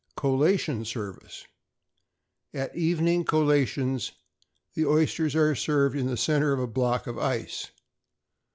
=Collation Service.= At evening collations, the oysters are served in the centre of a block of ice.